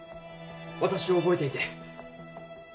「私を覚えていて」。